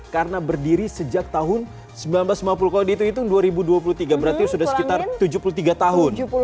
karena berdiri sejak tahun seribu sembilan ratus lima puluh kalau dihitung dua ribu dua puluh tiga berarti sudah sekitar tujuh puluh tiga tahun